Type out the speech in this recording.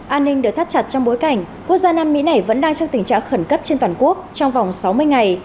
an ninh được thắt chặt trong bối cảnh quốc gia nam mỹ này vẫn đang trong tình trạng khẩn cấp trên toàn quốc trong vòng sáu mươi ngày